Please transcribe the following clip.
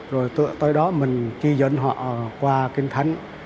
rồi tới đó mình chi dẫn họ qua kinh thánh